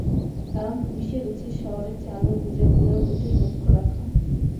কারণ পুলিশের উচিত শহরের চালু গুজবগুলোর প্রতি লক্ষ রাখা।